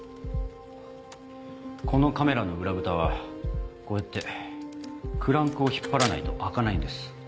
このカメラの裏ぶたはこうやってクランクを引っ張らないと開かないんです。